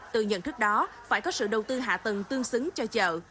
từ nhận thức đó phải có sự đầu tư hạ tầng tương xứng cho chợ